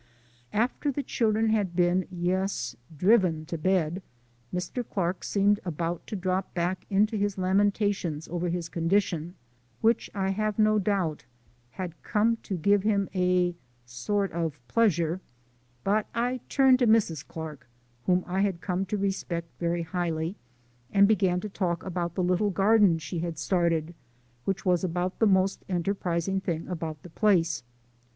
After the children had been, yes, driven to bed, Mr. Clark seemed about to drop back into his lamentations over his condition (which I have no doubt had come to give him a sort of pleasure), but I turned to Mrs. Clark, whom I had come to respect very highly, and began to talk about the little garden she had started, which was about the most enterprising thing about the place.